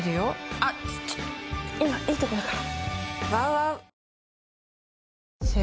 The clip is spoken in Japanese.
あっちょっと今いいとこだから。